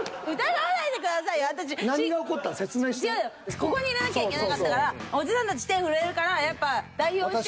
ここに入れなきゃいけなかったからおじさんたち手震えるからやっぱ代表して。